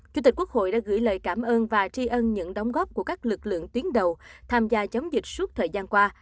chủ tịch quốc hội đã gửi lời cảm ơn và tri ân những đóng góp của các lực lượng tuyến đầu tham gia chống dịch suốt thời gian qua